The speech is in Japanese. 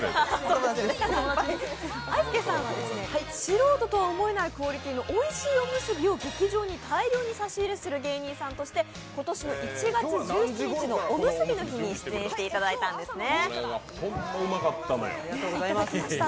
素人とは思えないほどおいしいおむすびを大量に差し入れする芸人として今年の１月１７日のおむすびの日に出演していただいたんですね。